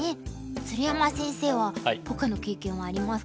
鶴山先生はポカの経験はありますか？